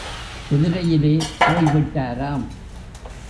குதிரையிலே போய் விட்டாராம்!